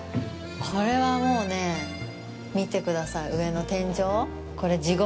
これは、もうねぇ、見てください、上の天井。